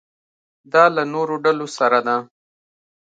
دا له نورو ډلو سره ده.